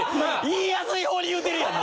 言いやすい方に言うてるやん！